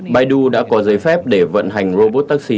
biden đã có giấy phép để vận hành robot taxi